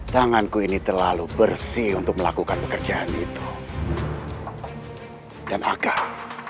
tanganku ini terlalu bersih untuk melakukan pekerjaan itu dan akal